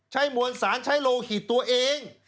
ใช้มวลศาลใช้รหิตตัวเอง